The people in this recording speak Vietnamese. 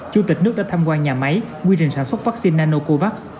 chủ tịch nước đã tham quan nhà máy quy trình sản xuất vaccine nanocovax